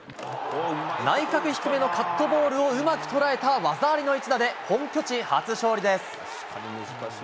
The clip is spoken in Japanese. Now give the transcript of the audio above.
内角低めのカットボールをうまく捉えた技ありの一打で本拠地初勝利です。